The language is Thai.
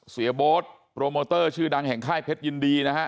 เสียโบ๊ทโปรโมเตอร์ชื่อดังแห่งค่ายเพชรยินดีนะฮะ